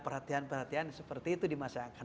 perhatian perhatian seperti itu di masa akan